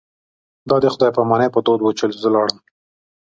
دا د خدای په امانۍ په دود و چې زه لاړم.